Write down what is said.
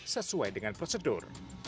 sesuai dengan prosedur